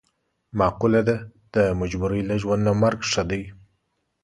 معقوله ده: د مجبورۍ له ژوند نه مرګ ښه دی.